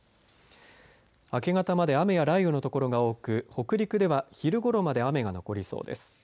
明け方まで雨や雷雨の所が多く、北陸では昼ごろまで雨が残りそうです。